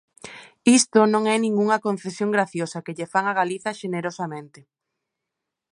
Isto non é ningunha concesión graciosa que lle fan a Galiza xenerosamente.